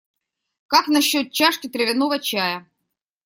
Как насчет чашки травяного чая?